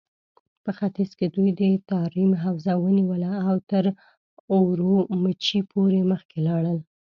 په ختيځ کې دوی د تاريم حوزه ونيوله او تر اورومچي پورې مخکې لاړل.